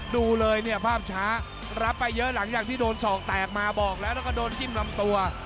ดูเลยเนี่ยภาพช้ารับไปเยอะหลังจากที่โดนศอกแตกมาบอกแล้วแล้วก็โดนจิ้มลำตัว